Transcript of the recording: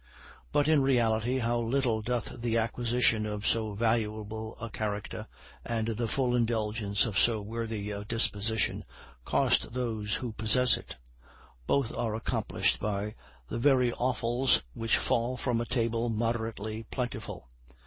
But, in reality, how little doth the acquisition of so valuable a character, and the full indulgence of so worthy a disposition, cost those who possess it! Both are accomplished by the very offals which fall from a table moderately plentiful.